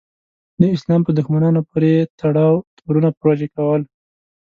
د اسلام په دښمنانو پورې تړاو تورونه پورې کول.